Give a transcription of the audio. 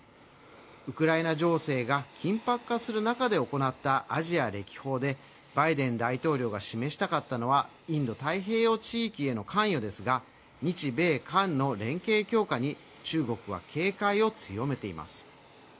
ウクライナ情勢が緊迫化する中で行ったアジア歴訪でバイデン大統領が示したかったのは、インド太平洋地域への関与ですが、日米韓の連携強化に中国は警戒を強めています。